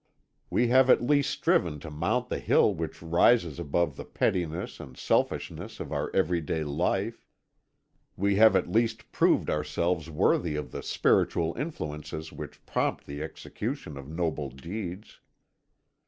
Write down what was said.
We have at least striven to mount the hill which rises above the pettiness and selfishness of our everyday life; we have at least proved ourselves worthy of the spiritual influences which prompt the execution of noble deeds.